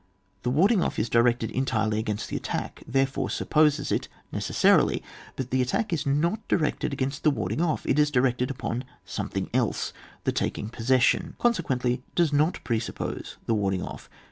The warding off is directed entirely against the attack; therefore supposes it, necessarily ; but the attack is not directed against the warding off ; it is directed upon something else — the taking possession ; consequently does not presuppose the warding off.